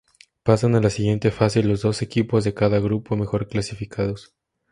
Pasan a la siguiente fase los dos equipos de cada grupo mejor clasificados.